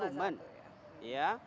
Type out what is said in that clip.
salah satu ya